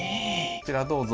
こちらどうぞ。